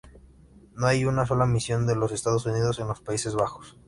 No hay una sola misión de los Estados Unidos en los Países Bajos.